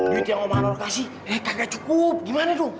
duit yang om anwar kasih eh kagak cukup gimana tuh